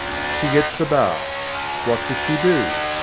She gets the bath. What does she do?